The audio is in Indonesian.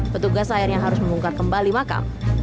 petugas akhirnya harus membongkar kembali makam